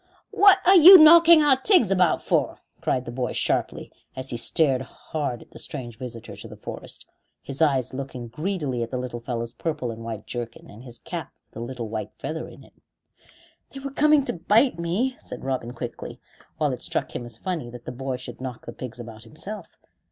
"What are you knocking our tigs about for?" cried the boy sharply, as he stared hard at the strange visitor to the forest, his eyes looking greedily at the little fellow's purple and white jerkin and his cap with a little white feather in it. "They were coming to bite me," said Robin quickly, while it struck him as funny that the boy should knock the pigs about himself.